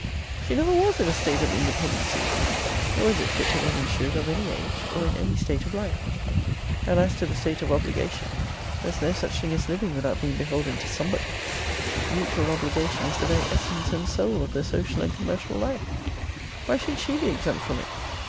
She never was in a state of independency; nor is it fit a woman should, of any age, or in any state of life. And as to the state of obligation, there is no such thing as living without being beholden to somebody. Mutual obligation is the very essence and soul of the social and commercial life: Why should she be exempt from it?